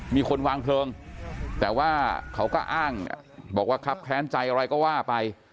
มีคนวางเพลิงแต่ว่าเขาก็อ้างบอกว่าครับแค้นใจอะไรก็ว่าไป